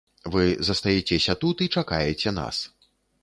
Вы застаецеся тут і чакаеце нас.